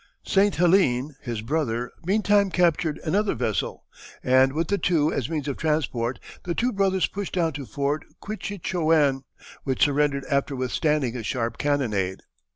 St. Helene, his brother, meantime captured another vessel, and with the two as means of transport, the two brothers pushed on to Fort Quitchitchouen, which surrendered after withstanding a sharp cannonade.